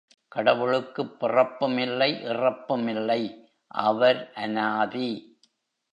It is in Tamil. கடவுளுக்குப் பிறப்பும் இல்லை இறப்பும் இல்லை அவர் அனாதி.